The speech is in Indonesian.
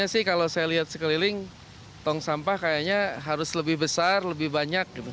tentu saja kalau saya lihat sekeliling kantung sampah kayaknya harus lebih besar lebih banyak